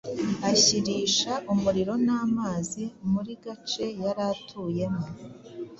ashyirisha umuriro n’amazi muri gace yari atuyemo